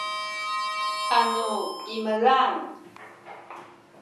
anu imelang